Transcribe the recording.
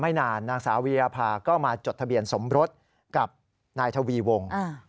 ไม่นานนางสาววีรภาก็มาจดทะเบียนสมรสกับนายทวีวงศ์